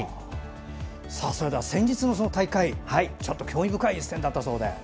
それでは先日の大会興味深い一戦だったそうで。